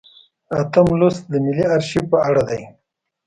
اتم لوست د ملي ارشیف په اړه دی.